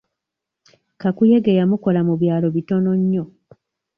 Kakuyege yamukola mu byalo bitono nnyo.